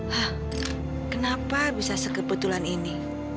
hah kenapa bisa sekebetulan ini